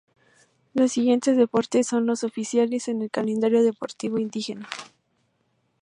Los siguientes deportes son los oficiales en el calendario deportivo indígena.